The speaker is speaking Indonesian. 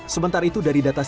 sementara itu dari data